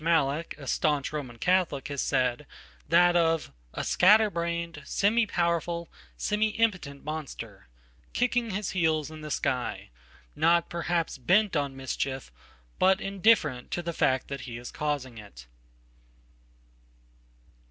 Mallock, a staunch RomanCatholic, has said, that of "a scatter brained, semi powerful, semi impotent monster … kicking his heels in the sky, not perhapsbent on mischief, but indifferent to the fact that he is causingit."